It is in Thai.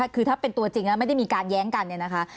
คือถ้าเป็นตัวจริงแล้วไม่ได้มีการแย้งกันเนี่ยนะคะ